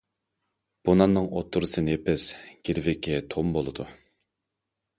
بۇ ناننىڭ ئوتتۇرىسى نېپىز، گىرۋىكى توم بولىدۇ.